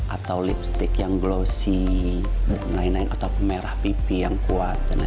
atau lipstick yang glossy atau pemerah pipi yang kuat